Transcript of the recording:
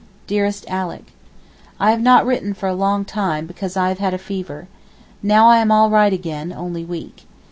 DEAREST ALICK, I have not written for a long time because I have had a fever. Now I am all right again, only weak.